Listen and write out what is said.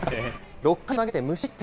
６回を投げて無失点。